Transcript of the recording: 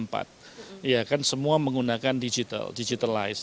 bukan digital digitalize